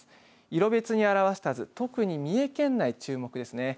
色別に表した図、特に三重県内、注目ですね。